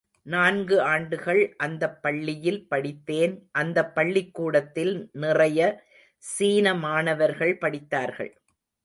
நான்கு ஆண்டுகள் அந்தப் பள்ளியில் படித்தேன் அந்தப் பள்ளிக்கூடத்தில் நிறைய சீன மாணவர்கள் படித்தார்கள்.